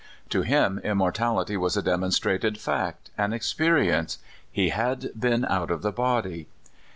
To him immortality was a demon strated fact, an experience. He had been out of the body.